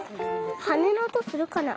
はねのおとするかな？